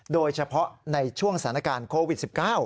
โดยเฉพาะในช่วงสถานการณ์โควิด๑๙